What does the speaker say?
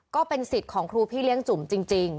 ก็เป็นสิทธิ์ของครูพี่เลี้ยงจุ๋มจริง